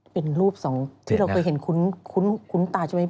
เป็นรูปสองที่เราเคยเห็นคุ้นตาใช่ไหม